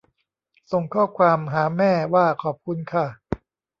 ส่งข้อความหาแม่ว่าขอบคุณค่ะ